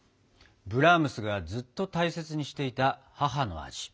ブラームスがずっと大切にしていた母の味。